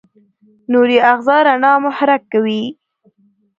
نوري آخذه رڼا محرک کوي.